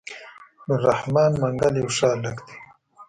نور رحمن منګل يو ښه هلک دی.